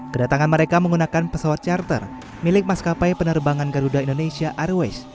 kedatangan mereka menggunakan pesawat charter milik maskapai penerbangan garuda indonesia airways